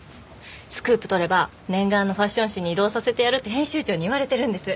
スクープ取れば念願のファッション誌に異動させてやるって編集長に言われてるんです。